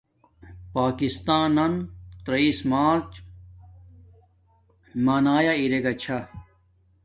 پاکستانن تریس مارچ منایا ارے گا چھا